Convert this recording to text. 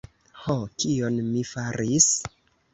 Ho, kion mi faris?